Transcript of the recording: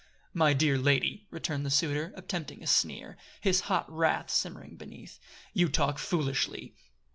"My dear lady," returned the suitor, attempting a sneer, his hot wrath simmering beneath, "you talk foolishly.